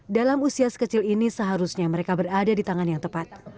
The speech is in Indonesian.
dalam usia sekecil ini seharusnya mereka berada di tangan yang tepat